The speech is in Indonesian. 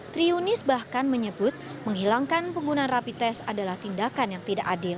triunis bahkan menyebut menghilangkan penggunaan rapi tes adalah tindakan yang tidak adil